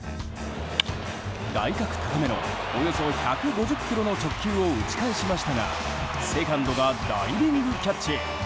外角高めのおよそ１５０キロの直球を打ち返しましたがセカンドがダイビングキャッチ。